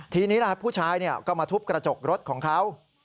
ทีนี้ผู้ชายก็มาทุบกระจกรถของเขา